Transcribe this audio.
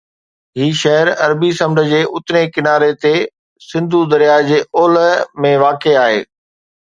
هي شهر عربي سمنڊ جي اترئين ڪناري تي، سنڌو درياهه جي اولهه ۾ واقع آهي